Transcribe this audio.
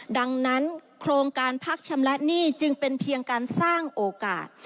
ดังนั้นโครงการพักชำระหนี้จึงเป็นเพียงการสร้างโอกาส